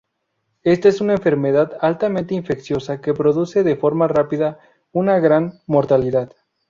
Esta es una enfermedad altamente infecciosa que produce de forma rápida una gran mortalidad.